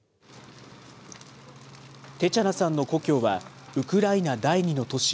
テチャナさんの故郷はウクライナ第２の都市